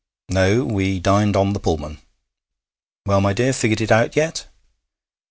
'No; we dined on the Pullman. Well, my dear, figured it out yet?'